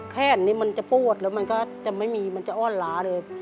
แขนเวลจะพูดหนึ่งก็จะอ้อนหลาด้วย